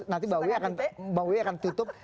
nanti bawuy akan tutup